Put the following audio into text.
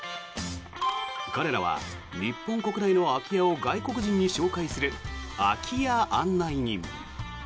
彼らは日本国内の空き家を外国人に紹介する空き家案内人。